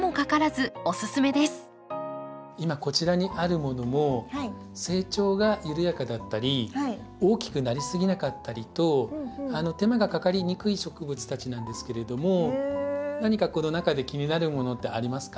今こちらにあるものも成長が緩やかだったり大きくなりすぎなかったりと手間がかかりにくい植物たちなんですけれども何かこの中で気になるものってありますか？